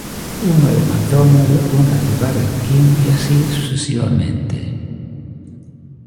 Uno de McDonalds, una de Burger King, y así sucesivamente.